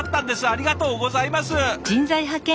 ありがとうございます！